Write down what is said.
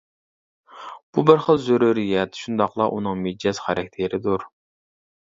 بۇ بىر خىل زۆرۈرىيەت، شۇنداقلا ئۇنىڭ مىجەز خاراكتېرىدۇر.